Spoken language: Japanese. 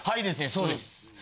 そうです。